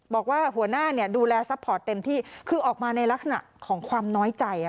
บอกว่าหัวหน้าดูแลซัพพอร์ตเต็มที่คือออกมาในลักษณะของความน้อยใจ